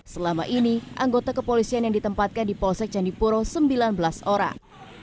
selama ini anggota kepolisian yang ditempatkan di polsek candipuro sembilan belas orang